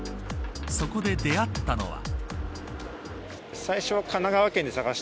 そこで出会ったのは。